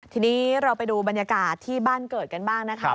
ทีนี้เราไปดูบรรยากาศที่บ้านเกิดกันบ้างนะคะ